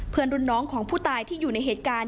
รุ่นน้องของผู้ตายที่อยู่ในเหตุการณ์